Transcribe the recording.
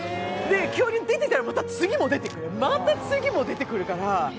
恐竜が出てきたら、また次も出てくる、また次も出てくるから。